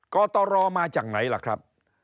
กตรมาจากไหนล่ะครับ